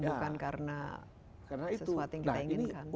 bukan karena sesuatu yang kita inginkan